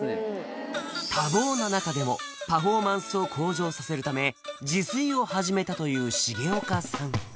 多忙な中でもパフォーマンスを向上させるため自炊を始めたという重岡さん